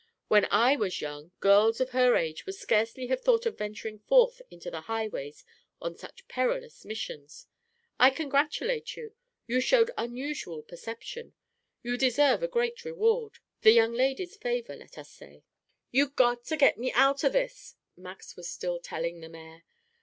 When I was young, girls of her age would scarcely have thought of venturing forth into the highways on such perilous missions. I congratulate you. You showed unusual perception. You deserve a great reward the young lady's favor, let us say." "You got to get me out of this," Max was still telling the mayor.